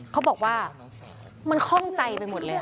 เขาบอกว่ามันคล่องใจไปหมดเลย